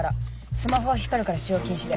スマホは光るから使用禁止で。